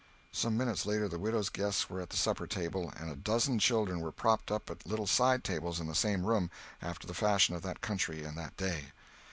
Some minutes later the widow's guests were at the supper table, and a dozen children were propped up at little side tables in the same room, after the fashion of that country and that day.